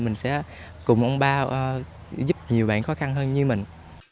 mình sẽ cùng ông ba giúp nhiều bạn khó khăn hơn như mình